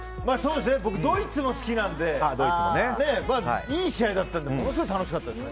僕、ドイツも好きなのでいい試合だったのでものすごい楽しかったです。